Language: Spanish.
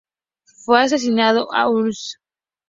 Fue asesinado en Auschwitz.